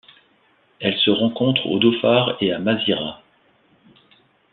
Elle se rencontre au Dhofar et à Masirah.